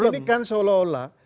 ini kan seolah olah